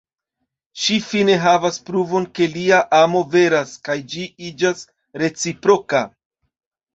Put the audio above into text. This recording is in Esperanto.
Ŝi fine havas pruvon ke lia amo veras, kaj ĝi iĝas reciproka.